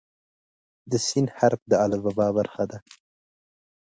د "س" حرف د الفبا برخه ده.